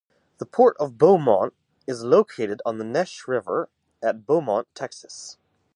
The Port of Beaumont is located on the Neches River at Beaumont, Texas.